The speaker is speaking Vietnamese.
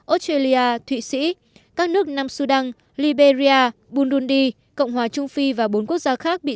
australia thụy sĩ các nước nam sudan liberia burundi cộng hòa trung phi và bốn quốc gia khác bị